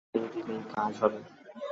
পানি দিলেই কাজ হবে।